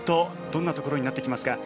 どんなところになってきますか？